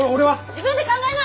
自分で考えな！